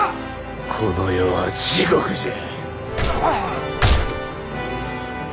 この世は地獄じゃ！